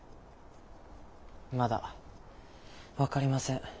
まだ分かりません。